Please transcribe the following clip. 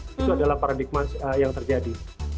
itu adalah paradigma yang terjadi